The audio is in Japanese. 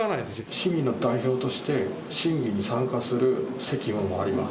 私、市民の代表として審議に参加する責務もあります。